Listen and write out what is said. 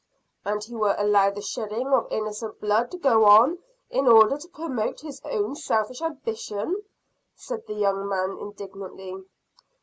"And he will allow the shedding of innocent blood to go on, in order to promote his own selfish ambition?" said the young man indignantly.